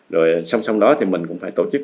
rồi song song đó thì mình cũng phải tổ chức